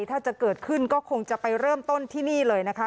ถ้าจะเกิดขึ้นก็คงจะไปเริ่มต้นที่นี่เลยนะคะ